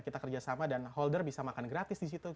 kita kerjasama dan holder bisa makan gratis di situ